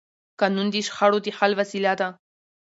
قانون د شخړو د حل وسیله ده